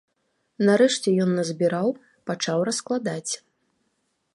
Нарэшце ён назбіраў, пачаў раскладаць.